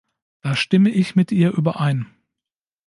Da stimme ich mit ihr überein.